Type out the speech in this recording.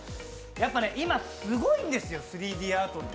やっぱね、今、すごいんですよ、３Ｄアートって。